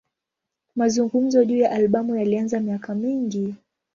Mazungumzo juu ya albamu yalianza miaka mingi.